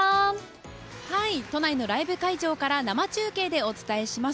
都内のライブ会場から生中継でお伝えします。